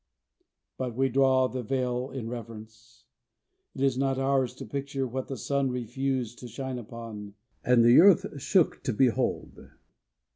But we draw the veil in reverence. It is not ours to picture what the sun refused to shine upon, and earth shook to behold.